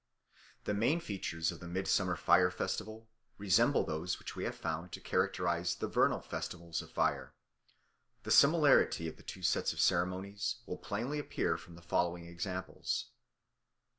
The main features of the midsummer fire festival resemble those which we have found to characterise the vernal festivals of fire. The similarity of the two sets of ceremonies will plainly appear from the following examples.